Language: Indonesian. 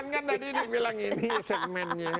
kan tadi dibilang ini segmennya